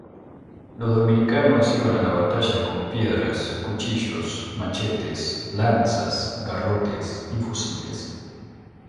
Los dominicanos iban a la batalla con piedras, cuchillos, machetes, lanzas, garrotes y fusiles.